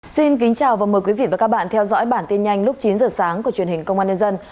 xin kính chào và mời quý vị và các bạn theo dõi bản tin nhanh lúc chín giờ sáng của truyền hình công an nhân dân